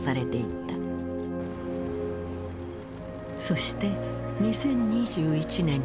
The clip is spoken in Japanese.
そして２０２１年１２月。